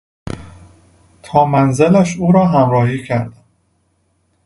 تا منزلش او را همراهی کردم.